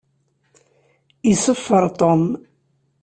Iṣeffer Tom.